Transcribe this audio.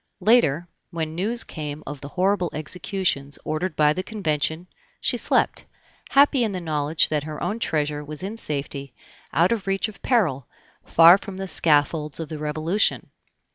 Later, when news came of the horrible executions ordered by the Convention, she slept, happy in the knowledge that her own treasure was in safety, out of reach of peril, far from the scaffolds of the Revolution.